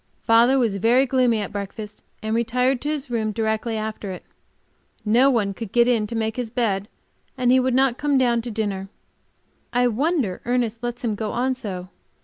Father was very gloomy at breakfast, and retired to his room directly after it. No one could get in to make his bed, and he would not come down to dinner. I wonder Ernest lets him go on so.